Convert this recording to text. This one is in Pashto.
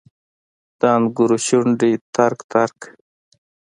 د انګورو شونډې ترک، ترک